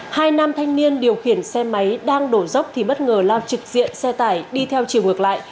hai nam thanh niên điều khiển xe máy đang đổ dốc thì bất ngờ lao trực diện xe tải đi theo chiều ngược lại